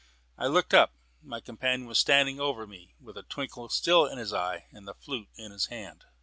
I looked up. My companion was standing over me, with the twinkle still in his eye and the flute in his hand.